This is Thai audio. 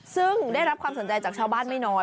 ซึ่งได้รับความสนใจจากชาวบ้านไม่น้อย